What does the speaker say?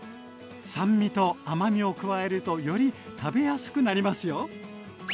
酸味と甘みを加えるとより食べやすくなりますよ。